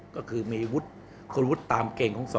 ก็คือมีคุณวุฒิตามเก่งของสหกออก